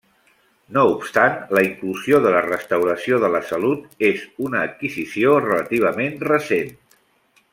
No obstant la inclusió de la restauració de la salut és una adquisició relativament recent.